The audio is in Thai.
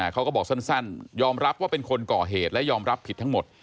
เขาก็บอกสั้นยอมรับว่าเป็นคนก่อเหตุและยอมรับผิดทั้งหมด